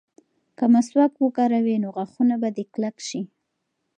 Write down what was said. که مسواک وکاروې نو غاښونه به دې کلک شي.